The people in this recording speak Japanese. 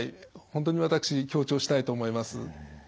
本当に私強調したいと思います。